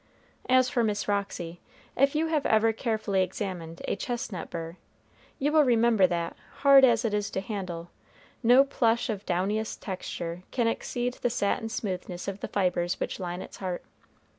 As for Miss Roxy, if you have ever carefully examined a chestnut burr, you will remember that, hard as it is to handle, no plush of downiest texture can exceed the satin smoothness of the fibres which line its heart.